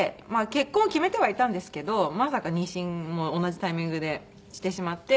結婚を決めてはいたんですけどまさか妊娠も同じタイミングでしてしまって。